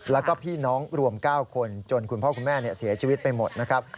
แล้วก็พี่น้องรวม๙คนจนคุณพ่อคุณแม่เสียชีวิตไปหมดนะครับ